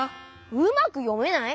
うまくよめない？